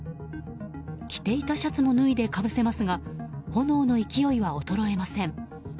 着ていたシャツも脱いでかぶせますが炎の勢いは衰えません。